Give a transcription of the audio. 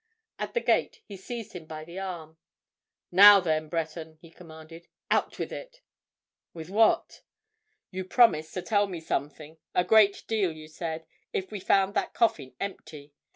At the gate, he seized him by the arm. "Now, then, Breton!" he commanded. "Out with it!" "With what?" "You promised to tell me something—a great deal, you said—if we found that coffin empty.